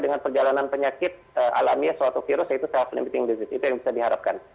karena perjalanan penyakit alami suatu virus itu self limiting disease itu yang bisa diharapkan